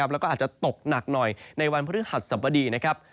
แล้วก็อาจจะตกหนักหน่อยในวันพฤหัสสบดีนะครับ